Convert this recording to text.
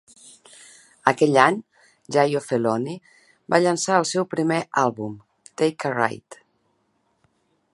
Aquell any, Jayo Felony va llançar el seu primer àlbum, "Take a Ride".